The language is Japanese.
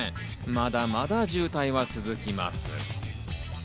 まだまだ渋滞は続きます。